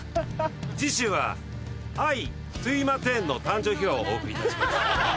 次週は「あいとぅいまてん」の誕生秘話をお送りいたします。